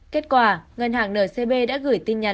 kết quả ngân hàng ncb đã gửi tin nhắn